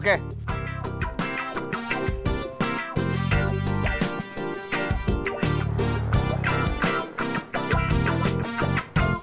pilih belts yang nomor enam